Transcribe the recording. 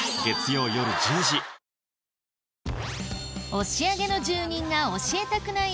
押上の住人が教えたくない